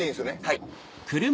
はい。